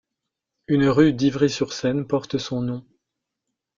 Une rue d'Ivry-sur-Seine porte son nom.